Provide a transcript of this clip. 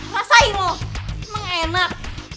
masaimu emang enak